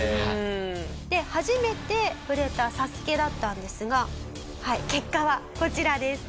で初めて触れた『ＳＡＳＵＫＥ』だったんですがはい結果はこちらです。